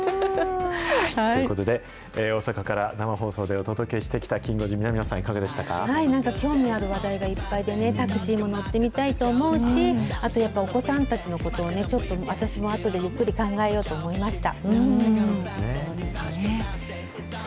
ということで、大阪から生放送でお伝えしてきました、きん５時、興味ある話題がいっぱいで、タクシーも乗ってみたいと思うし、あとやっぱりお子さんたちのことを、私もあとでゆっくり考えようと思いました。